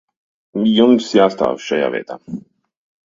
Jums jāstāv šajā vietā.